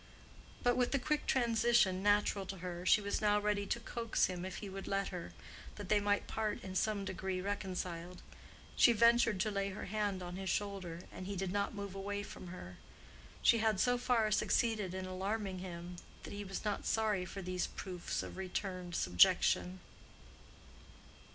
But with the quick transition natural to her, she was now ready to coax him if he would let her, that they might part in some degree reconciled. She ventured to lay her hand on his shoulder, and he did not move away from her: she had so far succeeded in alarming him, that he was not sorry for these proofs of returned subjection.